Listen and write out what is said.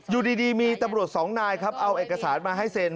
อยู่ดีมีตำรวจสองนายครับเอาเอกสารมาให้เซ็น